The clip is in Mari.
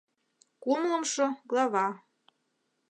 КУМЛЫМШО ГЛАВА